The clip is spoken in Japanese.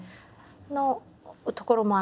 のところもあれば。